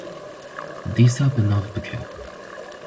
Dîsa bi nav bike.